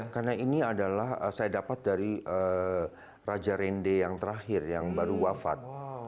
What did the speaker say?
karena ini adalah saya dapat dari raja rende yang terakhir yang baru wafat